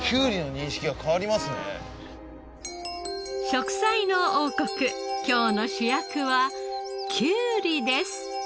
『食彩の王国』今日の主役はきゅうりです。